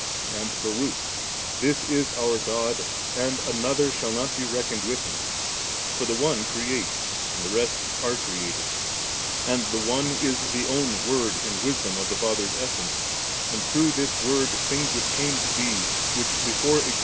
and Baruch, 'This is our God, and another shall not be reckoned with Him^' For the One creates, and the rest are created ; and the One is the own Word and Wisdom of the Father's Essence, and through this Word things which came to be^ which before existed not, were made.